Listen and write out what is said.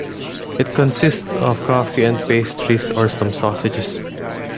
It consists of coffee and pastries or some sausages.